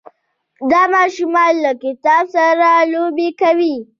دا ماشوم له کتاب سره لوبې کوي.